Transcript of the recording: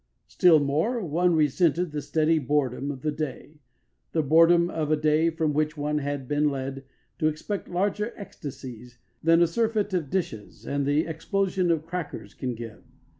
Still more, one resented the steady boredom of the day the boredom of a day from which one had been led to expect larger ecstasies than a surfeit of dishes and the explosion of crackers can give.